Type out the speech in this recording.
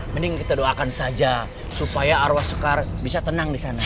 mending kita doakan saja supaya arwah sekar bisa tenang di sana